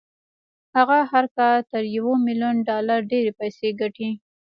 هغه هر کال تر يوه ميليون ډالر ډېرې پيسې ګټي.